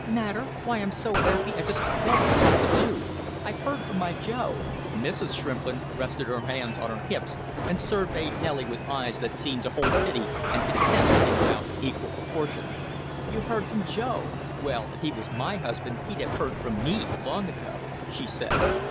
"Matter? Why, I'm so happy I just don't know what to do! I've heard from my Joe!" Mrs. Shrimplin rested her hands on her hips and surveyed Nellie with eyes that seemed to hold pity and contempt in about equal proportion. "You've heard from Joe! Well, if he was my husband he'd have heard from me long ago!" she said.